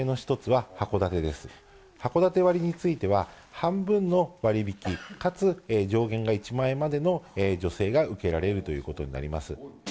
はこだて割については、半分の割引かつ上限が１万円までの助成が受けられるということになります。